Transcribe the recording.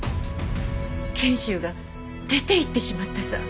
賢秀が出ていってしまったさぁ。